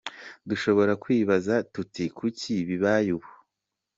Dushobora kwibaza tuti: kuki bibaye ubu?